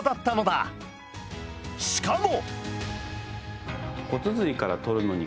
しかも！